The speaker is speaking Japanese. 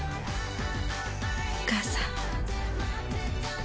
お母さん。